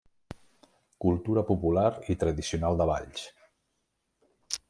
Cultura popular i tradicional de Valls.